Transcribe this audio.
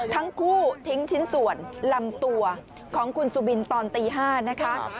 ทั้งคู่ทิ้งชิ้นส่วนลำตัวของคุณสุบินตอนตี๕นะคะ